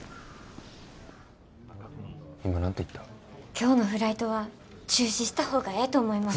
今日のフライトは中止した方がええと思います。